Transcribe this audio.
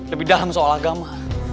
lebih dalam soal agama